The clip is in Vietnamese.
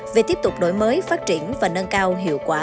về tiếp tục đổi mới phát triển và nâng cao hiệu quả